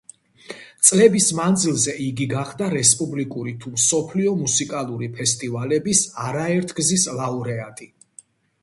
წლების მანძილზე იგი გახდა რესპუბლიკური თუ მსოფლიო მუსიკალური ფესტივალების არა ერთგზის ლაურეატი.